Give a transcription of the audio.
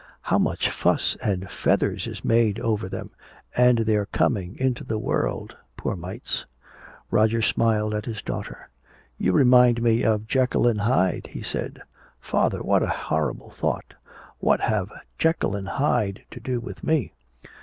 How much fuss and feathers is made over them, and their coming into the world, poor mites?" Roger smiled at his daughter. "You remind me of Jekyll and Hyde," he said. "Father! What a horrible thought! What have Jekyll and Hyde to do with me?"